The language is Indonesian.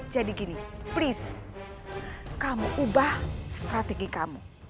jadi gini please kamu ubah strategi kamu